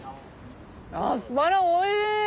アスパラおいしい！